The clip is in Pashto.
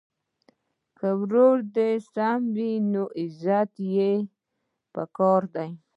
که ورور دي سم وي نو عزت یې په کار دی.